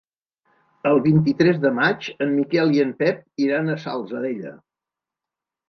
El vint-i-tres de maig en Miquel i en Pep iran a la Salzadella.